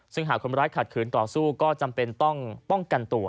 สามารถขัดขนต่อสู้จะต้องป้องกันตัว